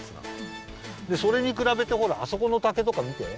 でそれにくらべてほらあそこの竹とかみて。